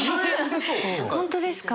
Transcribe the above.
本当ですか？